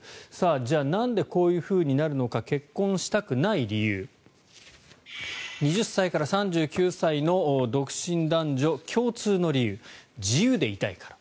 じゃあなんでこういうふうになるのか結婚したくない理由２０歳から３９歳の独身男女共通の理由自由でいたいから。